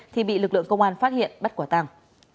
thì bị lực lượng công an phát hiện bắt quả tàng